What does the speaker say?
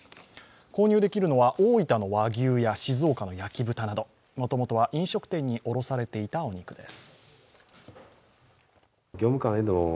購入できるのは大分の和牛や静岡の焼き豚などもともとは飲食店に卸されていたお肉です。